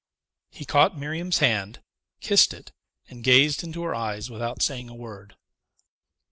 He caught Miriam's hand, kissed it, and gazed into her eyes without saying a word.